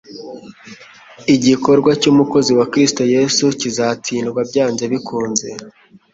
igikorwa cy'umukozi wa Kristo Yesu kizatsindwa byanze bikunze.